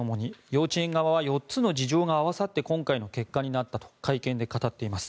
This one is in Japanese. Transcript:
幼稚園側は４つの事情が合わさって今回の結果になったと会見で語っています。